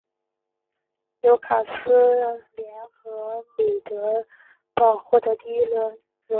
纽卡斯尔联和米德尔斯堡获得第一轮轮空。